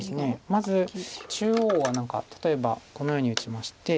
まず中央は何か例えばこのように打ちまして。